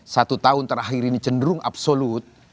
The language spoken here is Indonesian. satu tahun terakhir ini cenderung absolut